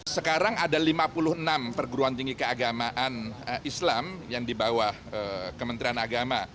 sekarang ada lima puluh enam perguruan tinggi keagamaan islam yang di bawah kementerian agama